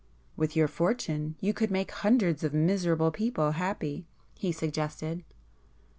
"With your fortune, you could make hundreds of miserable people happy;"—he suggested.